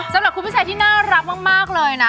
สำหรับคุณผู้ชายที่น่ารักมากเลยนะ